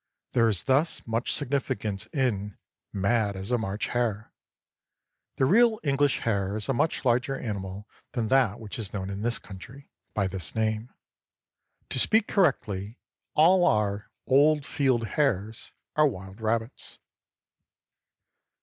There is thus much significance in "Mad as a March hare." The real English hare is a much larger animal than that which is known in this country by this name. To speak correctly, all our "old field hares" are wild rabbits.